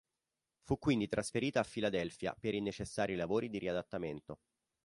Fu quindi trasferita a Filadelfia per i necessari lavori di riadattamento.